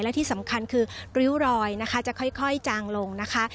และที่สำคัญคือริ้วรอยนะคะจะค่อยจางลงนะคะ